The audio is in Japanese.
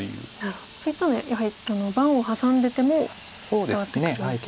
そういったのはやはり盤を挟んでても伝わってくるんですか。